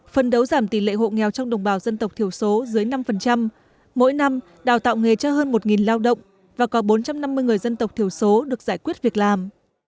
phân đấu giảm tỷ lệ hộ nghèo trong đồng bào dân tộc thiểu số dưới năm mỗi năm đào tạo nghề cho hơn một lao động và có bốn trăm năm mươi người dân tộc thiểu số được giải quyết việc làm